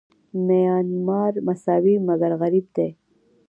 میانمار مساوي مګر غریب دی.